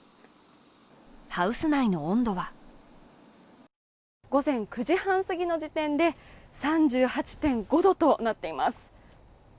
ハウス内の温度は午前９時半すぎの時点で３８．５度となっています。